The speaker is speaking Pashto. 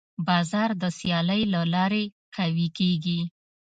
بازار د سیالۍ له لارې قوي کېږي.